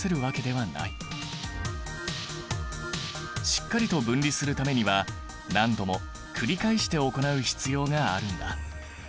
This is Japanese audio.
しっかりと分離するためには何度も繰り返して行う必要があるんだ。